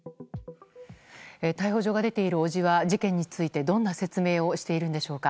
逮捕状が出ている伯父は事件についてどんな説明をしているのでしょうか。